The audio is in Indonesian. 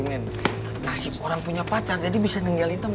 maksim orang punya pacar jadi bisa ninggalin temen